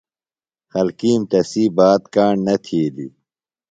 خلکِیم تسی بات کاݨ نہ تِھیلیۡ۔